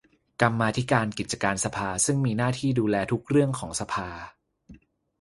กรรมาธิการกิจการสภาซึ่งมีหน้าที่ดูแลทุกเรื่องของสภา